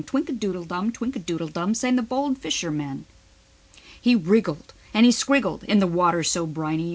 Twinki doodle dum, twinki doodle dum sang the bold fisherman. He wriggled and scriggled in the water, so briny O.